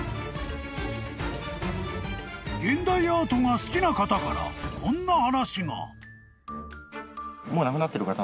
［現代アートが好きな方からこんな話が］